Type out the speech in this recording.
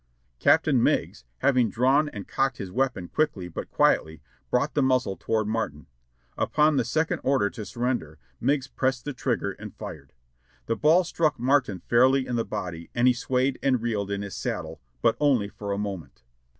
" Captain Meigs, having drawn and cocked his weapon quickly but quietly, brought the muzzle toward Martin. Upon the sec ond order to surrender, Meigs pressed the trigger and fired. The ball struck Martin fairly in the body and he swayed and reeled in his saddle ; but only for a moment.